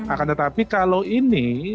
akan tetapi kalau ini